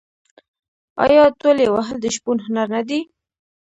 آیا تولې وهل د شپون هنر نه دی؟